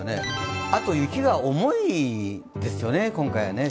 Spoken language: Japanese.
あと雪が重いですよね、今回は。